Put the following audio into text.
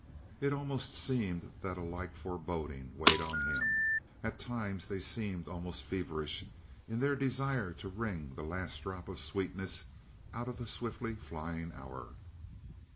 It almost seemed that a like foreboding weighed on him. At times they seemed almost feverish in their desire to wring the last drop of sweetness out of the swiftly flying hour.